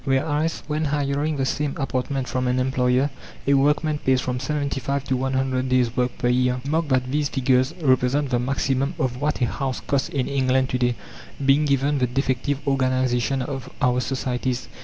Whereas when hiring the same apartment from an employer, a workman pays from 75 to 100 days' work per year. Mark that these figures represent the maximum of what a house costs in England to day, being given the defective organization of our societies.